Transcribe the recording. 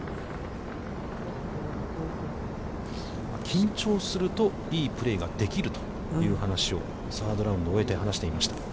緊張すると、いいプレーができるという話をサードラウンドを終えて話していました。